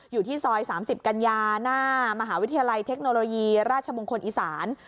อยู่ที่ซอย๓๐กันยาหน้ามหาวิทยาลัยเทคโนโลยีราชมงคลอีสาน